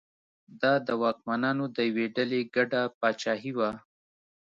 دا د واکمنانو د یوې ډلې ګډه پاچاهي وه.